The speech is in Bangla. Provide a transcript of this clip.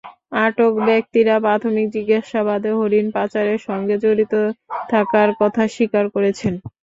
আটক ব্যক্তিরা প্রাথমিক জিজ্ঞাসাবাদে হরিণ পাচারের সঙ্গে জড়িত থাকার কথা স্বীকার করেছেন।